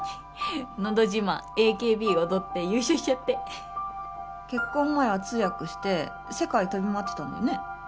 のど自慢ＡＫＢ踊って優勝しちゃって結婚前は通訳して世界飛び回ってたんだよね？